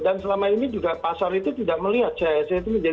dan selama ini juga pasar itu tidak melihat cisi itu menjadi standar